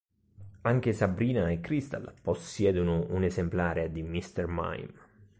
Anche Sabrina e Crystal possiedono un esemplare di Mr. Mime.